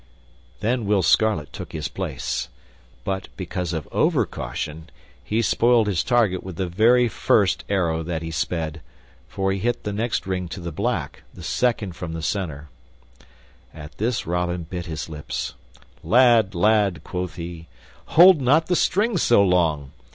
Then Will Scarlet took his place; but, because of overcaution, he spoiled his target with the very first arrow that he sped, for he hit the next ring to the black, the second from the center. At this Robin bit his lips. "Lad, lad," quoth he, "hold not the string so long!